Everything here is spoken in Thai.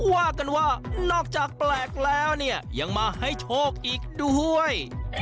ว่ากันว่านอกจากแปลกแล้วเนี่ยยังมาให้โชคอีกด้วย